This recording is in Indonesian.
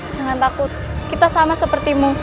jangan takut kita sama sepertimu